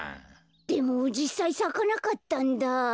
でもじっさいさかなかったんだ。